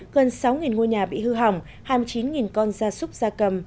gần sáu ngôi nhà bị hư hỏng hai mươi chín con gia súc gia cầm